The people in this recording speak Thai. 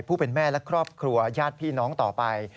ผู้เป็นแม่และครอบครัวญาติพี่น้องต่อไป